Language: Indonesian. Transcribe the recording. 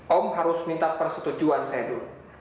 om harus minta persetujuan saya dulu